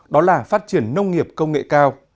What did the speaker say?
đó là phát triển nông nghiệp công nghệ cao